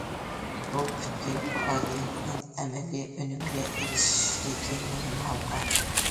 بۇ پۈتكۈل پائالىيەتنىڭ ئەمەلىي ئۈنۈمگە ئېرىشىشىدىكى مۇھىم ھالقا.